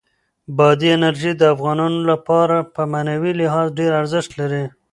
بادي انرژي د افغانانو لپاره په معنوي لحاظ ډېر ارزښت لري.